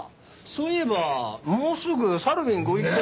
そういえばもうすぐサルウィンご一行が。